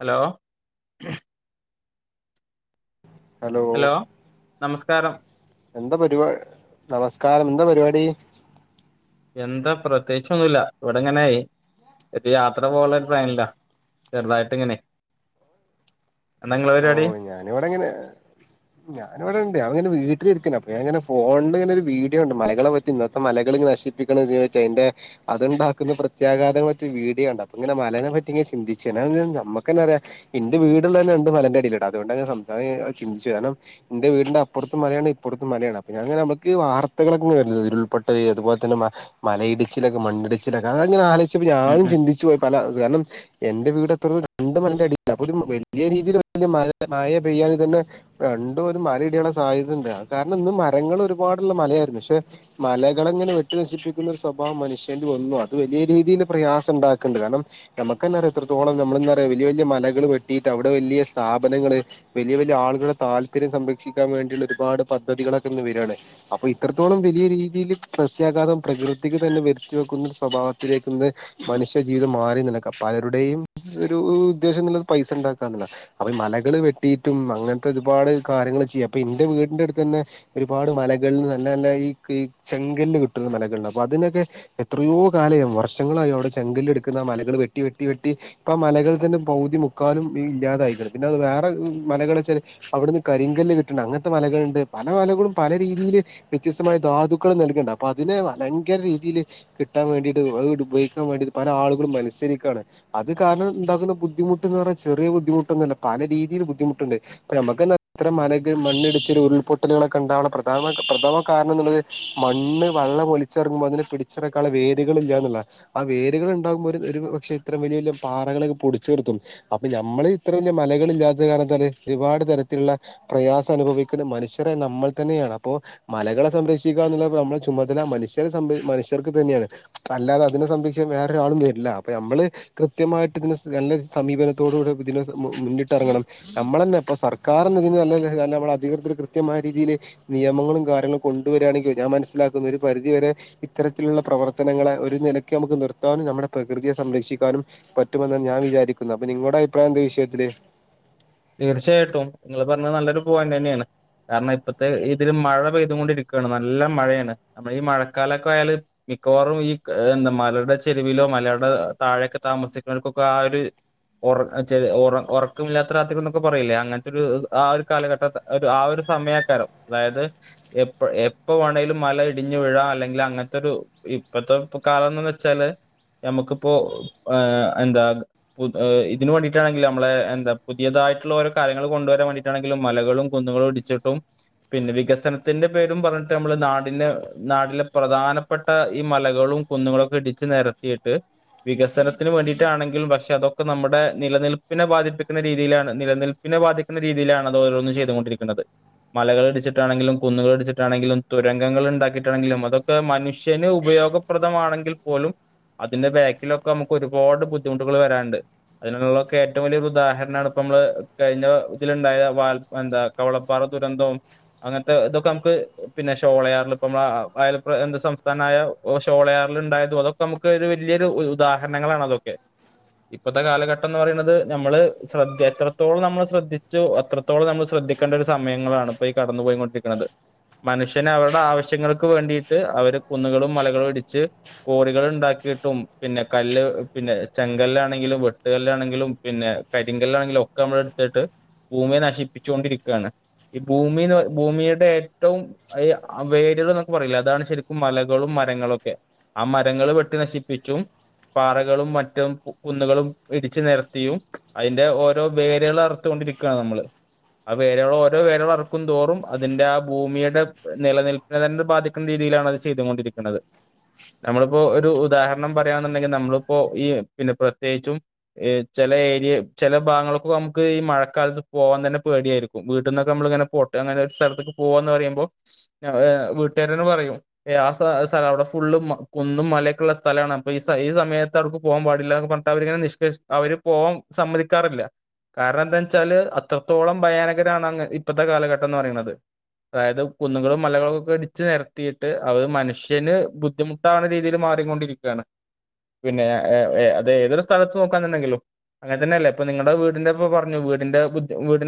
Hello ഉഹ് hello നമസ്കാരം. എന്താ പരിപാ നമസ്കാരം എന്താ പരിപാടി? എന്താ പ്രത്യേകിച്ചൊന്നുല്ല ഇവിടെങ്ങനെ ഒര് യാത്ര പോവാള്ളെ ഒരു പ്ലാനിലാ. ചെറുതായിട്ട് ഇങ്ങനെ. എന്താ ഇങ്ങളെ ഓ പരിപാടി ഞാനിവിടെങ്ങനെ ഞാനിവിടെണ്ട് ഞാ പിന്നെ വീ ട്ടിലിരിക്ക്ണ് അപ്പ ഞാങ്ങനെ ഫോണില് ഇങ്ങനൊരു വീഡിയോഅണ്ട് മലകളെ പറ്റി ഇന്നത്തെ മലകൾ നശിപ്പിക്കണതുമായിറ്റ് അയിൻ്റെ അതുണ്ടാക്കുന്ന പ്രത്യാഘാതം പറ്റി വീഡിയോ കണ്ട് അപ്പൊങ്ങനെ മലനെ പറ്റിങ്ങനെ ചിന്തിച്ചു നമ്മുക്കെന്നറിയാ ഇന്റെ വീട്ള്ളന്നെ മ് ന്നെ മലന്റെ അടീലാട്ടോ അതൊണ്ട ഞൻ സംസ ചിന്ത്ച്ചു കാരണം ഇന്റെ വീടിന്റെ അപ്പറുത്തും മലേണ് ഇപ്പറത്തും മലേണ് അപ്പോ ഞാങ്ങനെ നമുക്ക് വാർത്തകൾ വരല് ഉരുൾപ്പൊട്ടല് അതുപോതന്നെ മലയിടിച്ചിലൊക്കെ മണ്ണിടിച്ചിലൊക്കെ അത് ങ്ങനെ ആലോയി പ്പറ്റി ഉം ഞാനും ഉം ചിന്തിച്ചു പോയി പല കാരണം എന്റെ വീടെത്രോ രണ്ട് മലൻ്റടില അപ്പൊരു വല്യ രീതീല് മഴ പെയ്യാണെങ്കി തന്നെ രണ്ടും ഒരു മല ഇടിയാനുള്ള സാധ്യത ഉണ്ട് കാരണം ഇന്ന് മരങ്ങൾ ഒരുപാ ടുള്ള മലയായിരുന്നു പക്ഷെ മലകളെങ്ങനെ വെട്ടി നശിപ്പിക്കുന്ന ഒരു സ്വഭാവം മനുഷ്യന്ല് വന്നു അത് വലിയ രീതിയിൽ പ്രയാസം ഉണ്ടാക്ക്ണ്ട് കാരണം നമുക്കന്നെറിയാ എത്രത്തോളം നമ്മൾ ന്തറിയാ വലിയ വലിയ മലകൾ വെട്ടിയിട്ട് അവിടെ വല്ല്യ സ്ഥാപനങ്ങള് വലിയ വലിയ ആളുകളുടെ താല്പര്യം സംരക്ഷിക്കാൻ വേണ്ടിയുള്ള ഒരുപാട് പദ്ധതികളൊക്കെ ഇന്ന് വരാണ്. അപ്പൊ ഇത്രത്തോളം വലിയ രീതിൽ സസ്യഘാതം പ്രകൃതിക്ക് തന്നെ വരുത്തി വെക്കുന്ന സ്വഭാവത്തിലേക്ക്ന്ന് മനുഷ്യ ജീവിതം മാറി നിലക്ക പലരുടെയും ഒരു ഉദ്ദേശം എന്നുള്ളത് പൈസ ഉണ്ടാക്കാന്നുള്ളതാണ്. മലകൾ വെട്ടിയിട്ടും അങ്ങനത്തെ ഒരുപാട് കാര്യങ്ങൾ ചെയ്യാം അപ്പൊ എന്റെ വീടിന്റെ അടുത്ത് തന്നെ ഒരുപാട് മല കൾ നല്ല നല്ല ഈ ചെങ്കല്ല് കിട്ടുന്ന മലകളിണ്ട് അതിനൊക്കെ എത്രയോ കാലെ വർഷങ്ങള്. അവിടെ ചെങ്കല്ല് എടുക്കുന്ന ആ മലകള് വെട്ടി വെട്ടി വെട്ടി ഇപ്പ ആ മലകള് തന്നെ പൗതി മുക്കാലും ഇല്ലാതായി. പിന്നെ അത് വേറെ മലകള് വെച്ചാല് അവിടുന്ന് കരിങ്കല്ല് കിട്ടണ്ട അങ്ങനത്തെ മലകളുണ്ട് പല മലകളും പല രീതിയില വ്യത്യസ്തമായ ധാതുക്കൾ നൽകണ്ട് അപ്പൊ അതിനെ ഭയങ്കര രീതിയിൽ കിട്ടാൻ വേണ്ടിട്ട് ഉപയോഗ ക്കാൻ വേണ്ടി പല ആളും മത്സസരിക്കുവാണ് അത് കാരണം ഉണ്ടകുന്ന ബുദ്ധിമുട്ട് എന്ന് പറഞ്ഞ ചെറിയ ബുദ്ധിമുട്ടോന്നല്ല. പല രീതിയിൽ ബുദ്ധിമുട്ടുണ്ട് ഇപ്പ നമുക്കന്നെ എത്ര മല മണ്ണിടിച്ചരു ഉരുൾപൊട്ടലുകളൊക്കെ ഉണ്ടാവുള്ള പ്രധാന പ്രഥമ കാരണം എന്നുള്ളത് മണ്ണ് വള്ളം ഒലിച്ചിറങ്ങുമ്പോൾ അതിനെ പിടിച്ചിറക്കള വേദികൾ ഇല്ല എന്നുള്ളതാണ്. വേരുകൾ ഉണ്ടാകുമ്പോ ഒരു പക്ഷെ ഇത്ര വലിയ വലിയ പാറകളൊക്കെ പൊടിച്ചുതിർത്തും അപ്പൊ നമ്മള് ഇത്ര. മലകളില്ലാത്ത കാരണം എന്താ ഒരുപാട് തരത്തിലുള്ള പ്രയാസം അനുഭവിക്കുന്ന മനുഷ്യരെ നമ്മൾ തന്നെയാണ് അപ്പോൾ മലകളെ സംരക്ഷിക്കുക. പ്പോ നമ്മളുടെ ചുമതല മനുഷ്യരെ സംര മനുഷർക്ക് തന്നെയാണ് അല്ലാതെതിനെ സംരക്ഷിക്കാൻ വേറെ ആരും വരില്ല. നമ്മള് കൃത്യമായിട്ട് നല്ല സമീപനത്തോട കൂടെ. മുന്നിട്ടി ഇറങ്ങണം നമ്മള തന്നെ സർ കാരണം ഇതിന് നല്ല നമ്മൾ അധികൃതർ കൃയമായീതിയിലയില് നിയമങ്ങളും കാര്യങ്ങളും കൊണ്ടുവരിുകയാണെങ്കിൽ ഞാൻ [unintelligible] പരിധിവരെ ഇത്തരത്തിലുള്ള പ്രവർത്തനങ്ങളെ ഒരു നിലക്ക് നമുക്ക് നിർത്താനും നമ്മുടെ പ്രകൃതിയെ സംരക്ഷി. പറ്റുമെന്നാണ് ഞാൻ വിചാരിക്കുന്നത് അപ്പൊ നിങ്ങളുടെ അഭിപ്രായം എന്താ വിഷയത്തില്. തീർച്ചയായിട്ടും നിങ്ങള് പറഞ്ഞത് നല്ലൊരു പോയിന്റ് തന്നേണ്. കാരണം ഇപ്പഴത്തെ ഇതില് മഴ പെയ്ത് കൊണ്ടിരിക്കുകയാണ് നല്ല മഴയാണ് നമ്മള് ഈ മഴക്കാലൊക്കെ ആയാല് മി മിക്കവാറും ഈ എന്താ മലയുടെ ചെരുവിലോ മലയുടെ താഴെയൊക്കെ താമസിക്കുന്നവർക്കൊക്കെ ആ ഒര് [unintelligible] [unintelligible] എന്നൊക്കെ പറയില്ലേ അങ്ങൻത്തെ ഒരു ആ ഒരു കാലഘട്ട ആ ഒരു സമയേക്കാരം അതായത് പ്പ എപ്പ വേണെലും മല ഇടിഞ്ഞു വീഴ അല്ലെങ്കിൽ അങ്ങൻത്തൊരു ഇപ്പത്തെ കാലംന്ന് വെച്ചാല് ഞമ്മക്കിപ്പോ ഏ എന്താ ഇതിന് വേണ്ടിട്ടാണെങ്കിൽ ഞമ്മളെ എ പുതിയതായിട്ടുള്ള ഓരോ കാര്യങ്ങള് കൊണ്ടുവരാൻവാണ്ടിട്ടാണങ്കിലും മലകളും കുന്നുകളും ഇടിച്ചിട്ടും പിന്നെ വികസനത്തിന്റെ ന്റെ പേരും പറഞ്ട്ട് നമ്മള് നാടിന്റെ നാട്ടിലെ പ്രധാനപ്പെട്ട ഈ മലകളും കുന്ന്കളൊക്കെ ഇടിച്ച് നെര രത്തിട്ട് വികസനത്തിന് വേണ്ടിട്ടാണെങ്കിലും പക്ഷെ അതൊക്കെ നമ്മുടെ നിലനിൽപ്പിനെ ബാധിപ്പി ക്കുന്ന രീതിലാണ് നിലനിൽപ്പിനെ ബാധിക്കുന്ന രീതിലാണ് അത് ഓരോന്നും ചെയ്തോണ്ടിരിക്കുന്നത് മലകളിടിച്ചിട്ടാണെങ്കിലും കുന്നുകളിടിച്ചിട്ടാണെങ്കിലും തുരങ്കൾ ണ്ടാക്കിയിട്ടാണെങ്കിലും അതൊക്കെ മനുഷ്യന് ഉപയോ യോഗപ്രദമാണെങ്കിൽ പോലും അതിന്റെ ബാക്കിലൊക്കെ നമുക്ക് ഒരുപാട് ബുദ്ധിമുട്ടുകൾ വരാണ്ട് അതിനുള്ളൊക്കെ ഏറ്റവും വല്യ ഒരു ഉദാഹര ന്നാള് പ്പ മ്മള് കയ്ഞ്ഞ ഇത് ല്ണ്ടായ വാൽ എന്താ കവളപ്പാറ ദുരന്തവും അങ്ങൻത്തെ ഇതൊക്കെ നമുക്ക് പിന്നെ ഷോളയാറിൽ ഇപ്പ നമ്മ അയ എന്ത് സംസ്ഥാനായ ഷോളയാർ ൽ ണ്ടായതും അതൊക്കെ നമുക്ക് വല്യോരു ഉാഹരണങ്ങളാണ് അതൊക്കെ ഇപ്പത്തെ കാലഘട്ടം ന്ന് പറയ്ണത് ഞമ്മള് ശ്രദ്ധ എത്രത്തോളം നമ്മൾ ശ്രദ്ധിച്ചു അത്രത്തോളം നമ്മൾ ശ്രദ്ധിക്കേണ്ട ഒരു സമയങ്ങളാണ് ഇപ്പൊ ഈ കടന്നു പോയീങൊണ്ടിരിക്കുന്നത് മനുഷ്യന് അവര്ടെ ആവശ്യങ്ങൾക്ക് വേണ്ടിട്ട് അവര് കുന്നുകളും മലകളും ഇടിച്ച് കോറികള്ണ്ടാക്കി കിട്ടും പിന്നെ കല്ല് പിന്നെ ചെങ്കല്ലാണെങ്കിലും വെട്ട്കല്ലാണെങ്കിലും പിന്നെ കരിങ്കല്ലാണെങ്കിലും ഒക്കെ നമ്മള്ട്ത്ത്ട്ട് ഭൂമിയെ നശിപ്പിച്ചോണ്ടിരിക്കാണ് ഈ ഭൂമി ന്ന് ഭൂമിടെ ഏറ്റവും വേര്കള്ന്നൊക്കെ പറീല്ലേ അതാണ് ശെരിക്കും മലകളും മ മരങ്ങളൊക്കെ ആ മരങ്ങള് വെട്ടി നശിപ്പിച്ചും പാറകളും മറ്റും കുന്നുകളും ഇടിച്ച് നെരത്തിയും അയ്ന്റെ ഓരോ വേരാള് അർത്തോണ്ടിരിക്കാണ് ഞമ്മള് ആ വേരാള് ഓരോ വേരാളർക്കും തോറും അതിന്റെ ആ ഭൂമിയുടെ നിലനിൽപ്പിനെ തന്നെ ബാധിക്കുന്ന രീ തീലാണ് അത് ചെയ്തോണ്ടിരിക്കുന്നത് നമ്മളിപ്പോ ഒരു ഉദാഹരണം പറയാെന്നുണ്ടെങ്കിൽ നമ്മളിപ്പോ ഈ പിന്നെ പ്രത്യേകിച്ചും ചെല ഏ ഈ ചില ഭാങ്ങളൊക്കെ നമുക്ക് ഈ മഴക്കാലത്ത് പോകാൻ തന്നെ പേടിയായിരിക്കും വീട്ടിന്നൊക്കെ നമ്മളിങ്ങനെ പോട്ടെ അങ്ങനെ [unintelligible] ട്ടടത്ത്ക്ക് പോവാന്ന് പറയുമ്പോ വീട്ടുകാരെന്നെ പറയും ഏ ആ സലം അവടെ ഫുള്ള് മ കു കുന്നും മലൊക്കെള്ള സ്ഥലാണ് അപ്പൊ ഈ സ്സ സമയത്ത് ആവുട്ക്ക് പോവാൻ പാടില്ലാഒക്കെ പറഞ്ഞിട്ട് അവര്ങ്ങനെ നിഷ് [unintelligible] അവർ പോവാ സമ്മതിക്കാറില്ല. കാരണം എന്താ വെച്ചാല് അത്രത്തോളം ഭയാനകരാണ് അങ്ങ് ഇപ്പോഴത്തെ കാലഘട്ടം എന്ന് പറയുന്നത്. അതായത് കുന്നുകളും മലകളും ഒക്കെ ഇടിച്ച് നിരത്തിയിട്ട് അവര് മനുഷ്യന് ബുദ്ധിമുട്ടാവുന്ന രീതിയിൽ മാ മാറികൊണ്ടിരിക്കാണ് പിന്നെ ഏ ഏ ഏ അത് ഏതൊരു സ്ഥലത്ത് നോക്കാന്നുണ്ടെങ്കിലും. അങ്ങൻതന്നെയല്ലേ ഇപ്പൊ നിങ്ങൾടെ വീടിന്റെ ഇപ്പോ പറഞ്ഞു വീടിന്റെ ബുദ്ധി വീടി